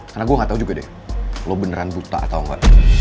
karena gue gatau juga deh lo beneran buta atau engga